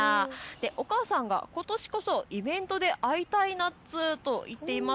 お母さんはことしこそイベントで会いたいなと言っています。